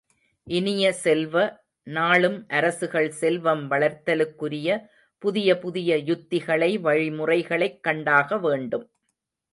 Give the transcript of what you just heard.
இனிய செல்வ, நாளும் அரசுகள் செல்வம் வளர்தலுக்குரிய புதிய புதிய யுத்திகளை, வழிமுறைகளைக் கண்டாக வேண்டும்.